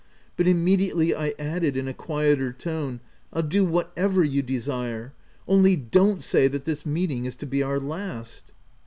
But immediately I added in a quieter tone —<{ Fll do whatever you desire ;— only don't say that this meeting is to be our last."